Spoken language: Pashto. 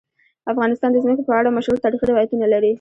افغانستان د ځمکه په اړه مشهور تاریخی روایتونه لري.